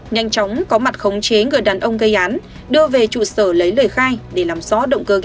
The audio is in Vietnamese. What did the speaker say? nhanh chóng có mặt khống chế người đàn ông gây án đưa về trụ sở lấy lời khai để làm rõ động cơ